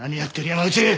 山内。